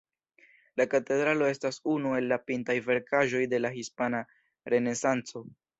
La katedralo estas unu el la pintaj verkaĵoj de la hispana renesanco.